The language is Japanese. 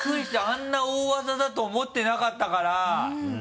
あんな大技だと思ってなかったから。